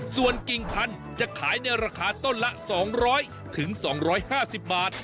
ส่วนกิ่งพันธุ์จะขายในราคาต้นละ๒๐๐๒๕๐บาท